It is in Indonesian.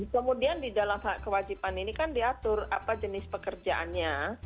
kemudian di dalam hak kewajiban ini kan diatur apa jenis pekerjaannya